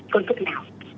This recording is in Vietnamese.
cơn thức nào